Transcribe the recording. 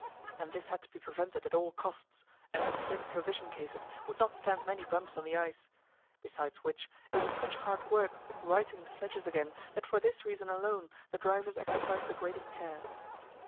And this had to be prevented at all costs, as the thin provision cases would not stand many bumps on the ice; besides which, it was such hard work righting the sledges again that for this reason alone the drivers exercised the greatest care.